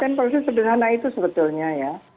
dan polisi sederhana itu sebetulnya ya